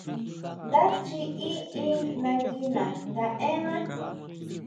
Ndá chiʼi in nanguina nga énná.